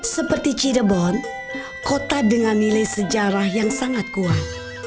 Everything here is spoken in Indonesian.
seperti cirebon kota dengan nilai sejarah yang sangat kuat